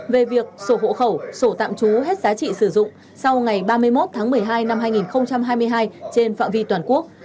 về việc sổ hộ khẩu sổ tạm trú hết giá trị sử dụng sau ngày ba mươi một tháng một mươi hai năm hai nghìn hai mươi hai trên phạm vi toàn quốc